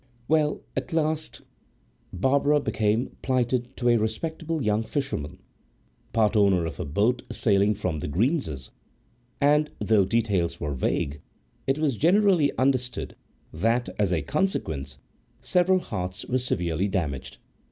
Well, at last Barbara became plighted to a respectable young fisherman, part owner of a boat sailing from The Greenses, and, though details were vague, it was generally understood that, as a consequence, several hearts were severely damaged.